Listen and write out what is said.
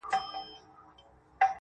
له دېيم کور چي شپېلۍ ورپسې پوُ کړه